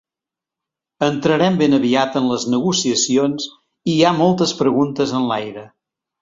Entrarem ben aviat en les negociacions i hi ha moltes preguntes en l’aire.